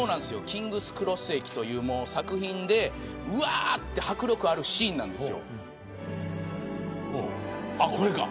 キングス・クロス駅という所で迫力あるシーンなんです。